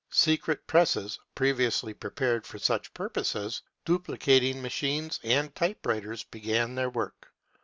Secret presses — previ ously prepared for such purposes— duplicating machines and typewriters began their work.